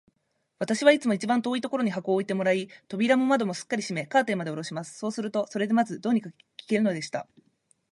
私はいつも一番遠いところに箱を置いてもらい、扉も窓もすっかり閉め、カーテンまでおろします。そうすると、それでまず、どうにか聞けるのでした。